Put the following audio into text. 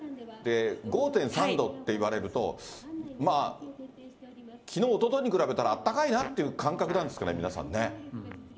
５．３度って言われると、きのう、おとといに比べたら、あったかいなという感覚なんですかね、皆さんね。